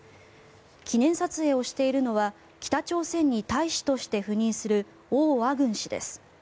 記念撮影をしているのは北朝鮮に大使として赴任するオウ・アグン氏です。